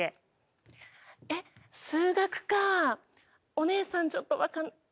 お姉さんちょっと分かんない。